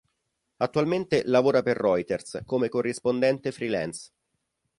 Attualmente lavora per Reuters come corrispondente freelance.